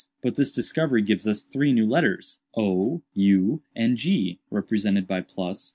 But this discovery gives us three new letters, o, u and g, represented by ‡,?